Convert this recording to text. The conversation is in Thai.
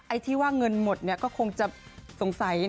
ไอ้ที่ว่าเงินหมดก็คงจะสงสัยนะฮะ